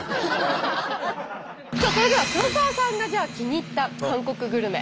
それでは黒沢さんが気に入った韓国グルメ。